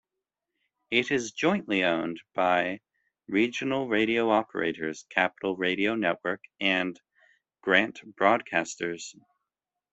It is jointly owned by regional radio operators Capital Radio Network and Grant Broadcasters.